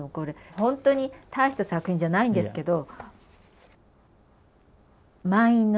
本当に大した作品じゃないんですけど。